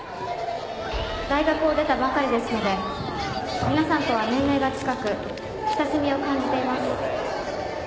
大学を出たばかりですので皆さんとは年齢が近く親しみを感じています。